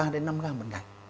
ba đến năm gram một ngày